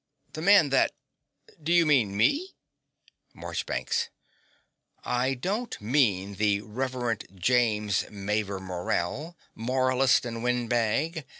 The man that ? Do you mean me? MARCHBANKS. I don't mean the Reverend James Mavor Morell, moralist and windbag.